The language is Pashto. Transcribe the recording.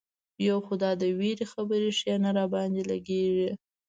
یو خو دا د وېرې خبرې ښې نه را باندې لګېږي.